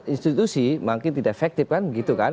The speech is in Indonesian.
institusi makin tidak efektif kan begitu kan